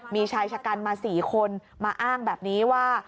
มีชายชะกันมา๔คนมาอ้างแบบนี้ว่า